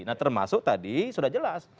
nah termasuk tadi sudah jelas